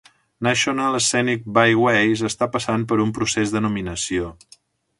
National Scenic Byways està passant per un procès de nominació.